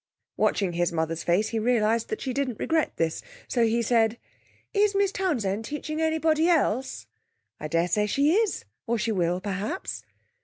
Watching his mother's face he realised that she didn't regret this, so he said: 'Is Miss Townsend teaching anybody else?' 'I daresay she is, or she will, perhaps.'